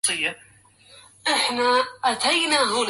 أنا إن بذلت الروح كيف ألام